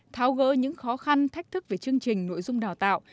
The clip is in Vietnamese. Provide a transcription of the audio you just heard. tháo gỡ những khó khăn thách thức về chương trình nội dung đào tạo